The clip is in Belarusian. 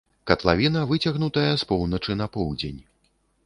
Катлавіна выцягнутая з поўначы на поўдзень.